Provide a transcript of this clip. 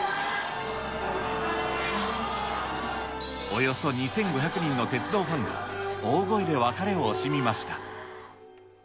およそ２５００人の鉄道ファンが大声で別れを惜しみました。